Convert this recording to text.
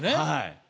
はい。